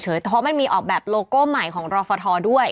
เพราะมันมีออกแบบโลโก้ใหม่ของรอฟทด้วย